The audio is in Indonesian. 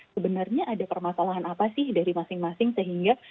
sebenarnya ada permasalahan apa sih dari masing masing sehingga